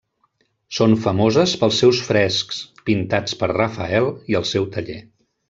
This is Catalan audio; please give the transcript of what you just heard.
Són famoses pels seus frescs, pintats per Rafael i el seu taller.